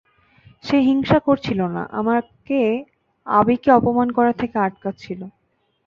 সে হিংসা করছিল না, আমাকে আবিকে অপমান করা থেকে আটকাচ্ছিল।